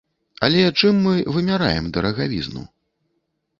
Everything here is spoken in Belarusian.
Але чым мы вымяраем дарагавізну?